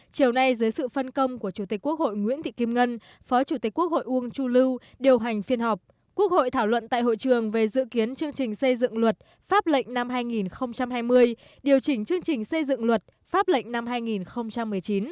chiều nay dưới sự phân công của chủ tịch quốc hội nguyễn thị kim ngân phó chủ tịch quốc hội uông chu lưu điều hành phiên họp quốc hội thảo luận tại hội trường về dự kiến chương trình xây dựng luật pháp lệnh năm hai nghìn hai mươi điều chỉnh chương trình xây dựng luật pháp lệnh năm hai nghìn một mươi chín